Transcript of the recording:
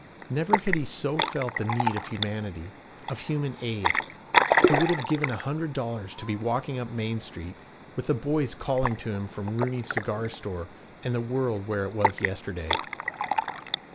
Never had he so felt the need of humanity, of human aid. He would have given a hundred dollars to be walking up Main Street, with the boys calling to him from Rooney's cigar store, and the world where it was yesterday.